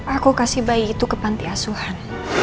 aku kasih bayi itu ke panti asuhan